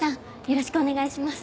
よろしくお願いします。